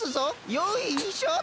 よいしょっと！